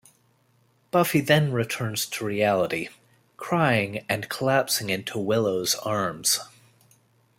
Buffy then returns to reality, crying and collapsing into Willow's arms.